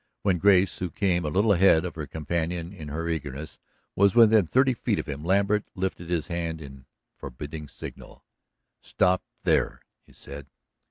When Grace, who came a little ahead of her companion in her eagerness, was within thirty feet of him, Lambert lifted his hand in forbidding signal. "Stop there," he said.